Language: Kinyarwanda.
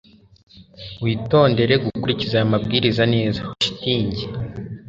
Witondere gukurikiza aya mabwiriza neza (shitingi)